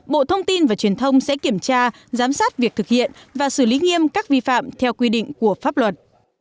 bộ thông tin và truyền thông sẽ kiểm tra giám sát việc thực hiện và xử lý nghiêm các vi phạm theo quy định của pháp luật